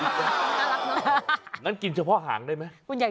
นะนั้นกินเฉพาะหางได้ไหม